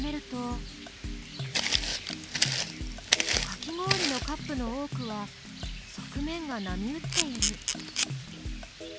かき氷のカップの多くは側面が波打っている。